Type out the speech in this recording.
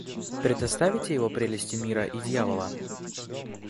Предоставите его прелести мира и дьявола?